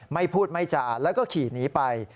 ไม่พูดไม่จาแล้วก็ขี่หนีไป